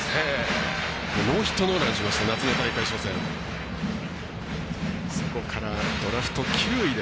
ノーヒットノーランしました夏の大会で。